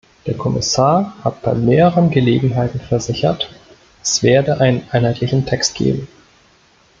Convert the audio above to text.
Der Kommissar hat bei mehreren Gelegenheiten versichert, es werde einen einheitlichen Text geben.